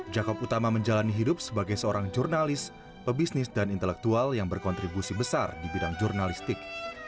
jakob utama menjalani hidup sebagai seorang jurnalis pebisnis dan intelektual yang berkontribusi besar di bidang jurnalistik